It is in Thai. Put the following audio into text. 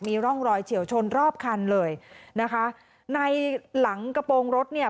มีร่องรอยเฉียวชนรอบคันเลยนะคะในหลังกระโปรงรถเนี่ย